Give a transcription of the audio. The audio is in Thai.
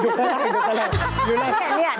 อยู่ข้างล่างเห็นไหม